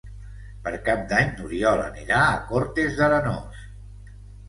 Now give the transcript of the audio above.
Per Cap d'Any n'Oriol anirà a Cortes d'Arenós.